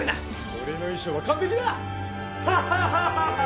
俺の衣装は完璧だハハハハハッ。